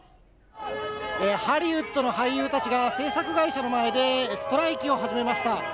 ハリウッドの俳優たちが、制作会社の前でストライキを始めました。